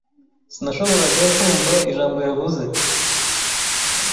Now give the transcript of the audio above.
Sinashoboraga kumva ijambo yavuze